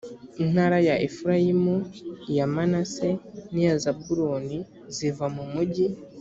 intara ya efurayimu iya manase n iya zabuloni ziva mu mugi